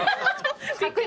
確認？